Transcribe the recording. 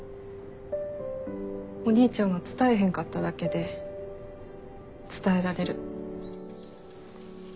お兄ちゃんは伝えへんかっただけで伝えられる。